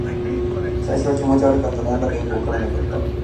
最初は気持ち悪かった。何だかよくわからなかった。